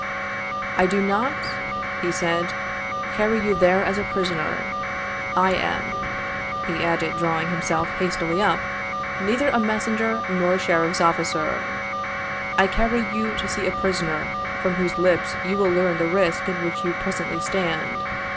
"I do not," he said, "carry you there as a prisoner; I am," he added, drawing himself haughtily up, "neither a messenger nor sheriff's officer. I carry you to see a prisoner from whose lips you will learn the risk in which you presently stand.